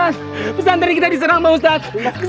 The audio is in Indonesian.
ustadz pesan dari kita diserang bang ustadz